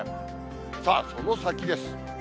さあ、その先です。